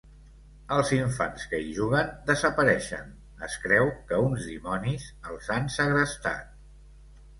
Els infants que hi juguen desapareixen, es creu que uns dimonis els han segrestat.